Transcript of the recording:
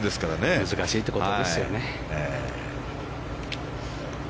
難しいということですよね。